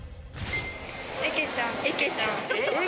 えけちゃん